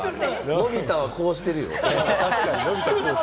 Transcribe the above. のび太はこうしてる。